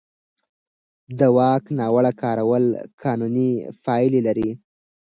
د واک ناوړه کارول قانوني پایلې لري.